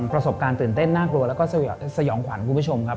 ประสบการณ์ตื่นเต้นน่ากลัวแล้วก็สยองขวัญคุณผู้ชมครับ